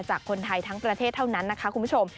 จากคนไทยทั้งประเทศเท่านั้นนะคะคุณผู้ชม